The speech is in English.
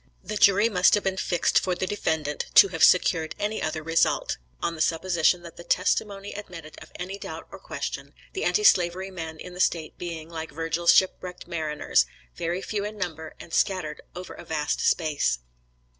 The jury must have been fixed for the defendant to have secured any other result, on the supposition that the testimony admitted of any doubt or question, the anti slavery men in the state being like Virgil's ship wrecked mariners, very few in number and scattered over a vast space.